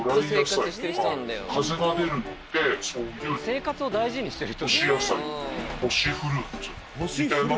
生活を大事にしてる人。